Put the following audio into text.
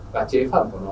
và chế phẩm của nó